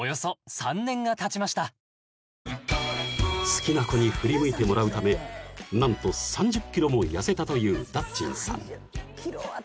［好きな子に振り向いてもらうため何と３０ｋｇも痩せたというだっちんさん］